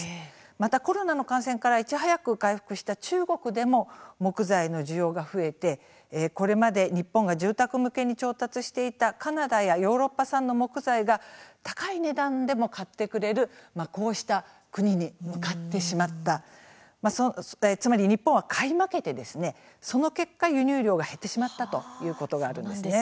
またコロナの感染からいち早く回復した中国でも木材の需要が増えてこれまで日本が住宅向けに調達していたカナダヨーロッパ産の木材が高い値段でも買ってくれるこうした国に向かってしまったつまり日本は買い負けてその結果輸入量が減ってしまったということがあるんですね。